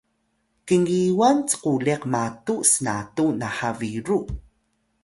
kingiwan cquliq matu snatu nha biru